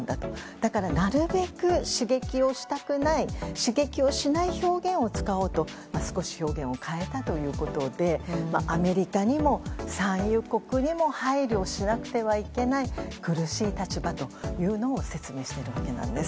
だからなるべく刺激をしたくない刺激をしない表現を使おうと少し表現を変えたということでアメリカにも産油国にも配慮しなくてはいけない苦しい立場というのも説明していたわけです。